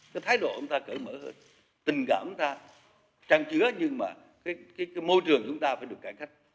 cái thái độ của chúng ta cỡ mở hơn tình cảm của chúng ta trang trứa nhưng mà cái môi trường của chúng ta phải được cải cách